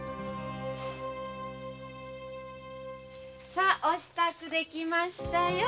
サアお支度できましたよ。